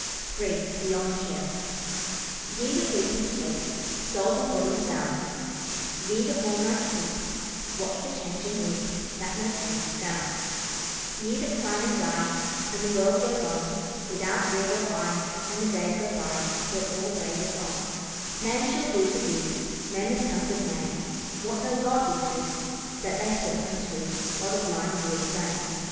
III BEYOND CHURCH YE that weep in sleep, Souls and bodies bound, Ye that all night keep Watch for change, and weep That no change is found; Ye that cry and die, And the world goes on Without ear or eye, And the days go by Till all days are gone; Man shall do for you, Men the sons of man, What no God would do That they sought unto While the blind years ran.